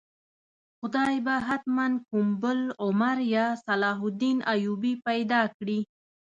خدای به حتماً کوم بل عمر یا صلاح الدین ایوبي پیدا کړي.